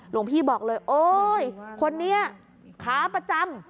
หลวงพี่บอกเลยโอ๊ยคนนี้ขาประจำ